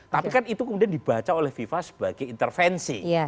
tapi itu dibaca oleh viva sebagai intervensi